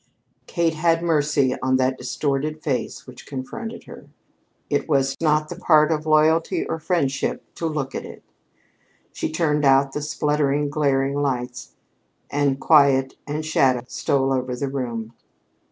Kate had mercy on that distorted face which confronted her. It was not the part of loyalty or friendship to look at it. She turned out the spluttering, glaring lights, and quiet and shadow stole over the room.